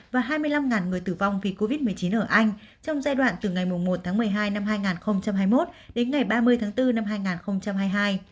và hai mươi năm người tử vong vì covid một mươi chín ở anh trong giai đoạn từ ngày một một mươi hai hai nghìn hai mươi một đến ngày ba mươi bốn hai nghìn hai mươi hai